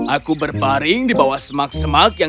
aku berparing di bawah semak semak yang